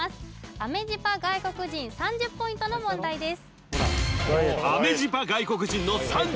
アメジパ外国人３０ポイントの問題です